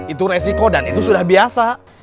itu resiko dan itu sudah biasa